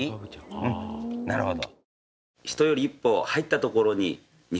うんなるほど。